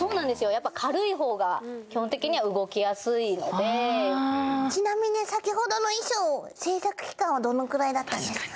やっぱ軽い方が基本的には動きやすいのでちなみに先ほどの衣装どのくらいだったんですか？